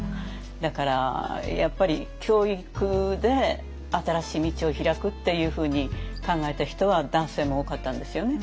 だからやっぱり教育で新しい道をひらくっていうふうに考えた人は男性も多かったんですよね。